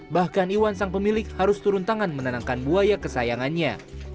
bahkan iwan sang pemilik harus turun tangan menenangkan buaya kesayangannya